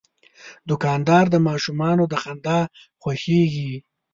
دوکاندار د ماشومانو د خندا خوښیږي.